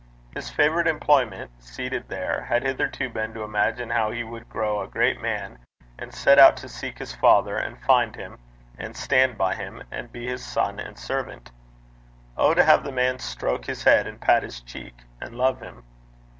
His favourite employment, seated there, had hitherto been to imagine how he would grow a great man, and set out to seek his father, and find him, and stand by him, and be his son and servant. Oh! to have the man stroke his head and pat his cheek, and love him!